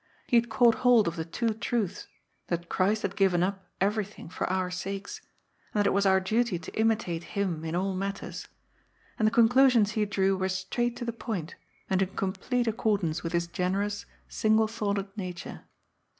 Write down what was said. He had caught hold of the two truths that Christ had given up everything for our sakes, and that it was our duty to imitate Him in all matters, and the conclu sions he drew were straight to the point and in complete accordance with his generous, single thoughted nature.